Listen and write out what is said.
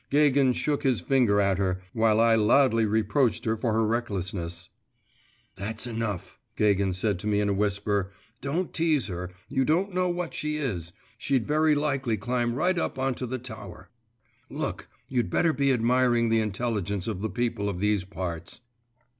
Gagin shook his finger at her, while I loudly reproached her for her recklessness. 'That's enough,' Gagin said to me in a whisper; 'don't tease her; you don't know what she is; she'd very likely climb right up on to the tower. Look, you'd better be admiring the intelligence of the people of these parts!